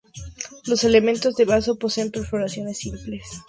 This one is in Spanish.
Los elementos de vaso poseen perforaciones simples.